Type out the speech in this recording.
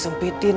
kamu gak tau kan